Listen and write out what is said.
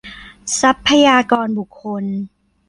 ทรัพยากรบุคคล